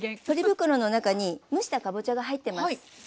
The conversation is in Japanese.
ポリ袋の中に蒸したかぼちゃが入ってます。